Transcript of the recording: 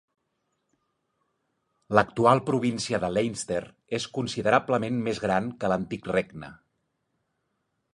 L'actual província de Leinster és considerablement més gran que l'antic regne.